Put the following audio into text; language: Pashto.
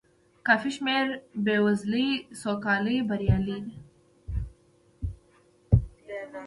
کافي شمېر بې وزلۍ سوکالۍ بریالۍ دي.